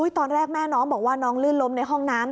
ตอนแรกแม่น้องบอกว่าน้องลื่นล้มในห้องน้ำ